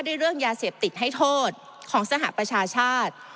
ด้วยเรื่องยาเสพติดให้โทษของสหประชาชาติ